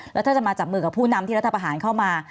แล้วถ้าจะมาจับมือกับผู้นำที่รัฐประหารเข้ามา